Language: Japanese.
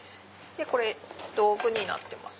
これ道具になってます。